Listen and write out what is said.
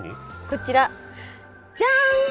こちらジャン。